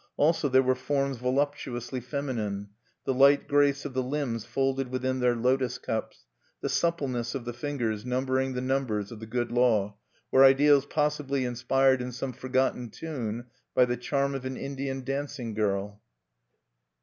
Also there were forms voluptuously feminine: the light grace of the limbs folded within their lotos cups, the suppleness of the fingers numbering the numbers of the Good Law, were ideals possibly inspired in some forgotten tune by the charm of an Indian dancing girl.